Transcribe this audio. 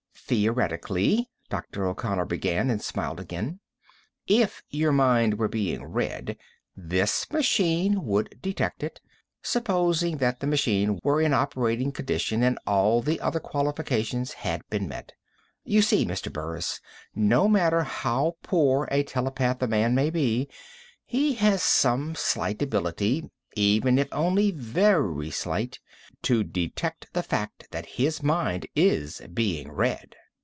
"Theoretically," Dr. O'Connor began, and smiled again, "if your mind were being read, this machine would detect it, supposing that the machine were in operating condition and all of the other qualifications had been met. You see, Mr. Burris, no matter how poor a telepath a man may be, he has some slight ability even if only very slight to detect the fact that his mind is being read."